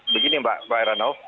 begini pak ranul